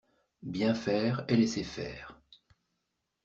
Bien faire et laisser faire